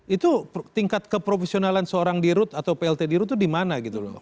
itu tingkat keprofesionalan seorang di route atau plt di route tuh dimana gitu loh